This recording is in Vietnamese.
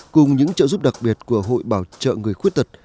cùng những trợ giúp đặc biệt của hội bảo trợ người khuyết tật